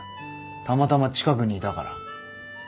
たまたま近くにいたから。